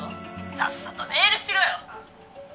さっさとメールしろよ！